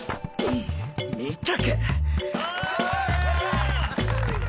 見たか。